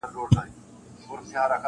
دلته لېونیو نن د عقل ښار نیولی دی-